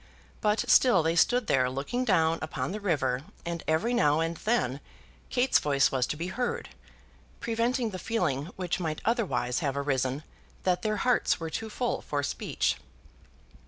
But still they stood there looking down upon the river, and every now and then Kate's voice was to be heard, preventing the feeling which might otherwise have arisen that their hearts were too full for speech.